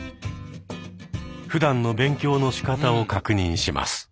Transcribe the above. ふだんの勉強のしかたを確認します。